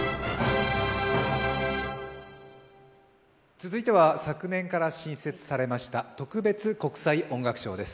続いては昨年から新設されました特別国際音楽賞です。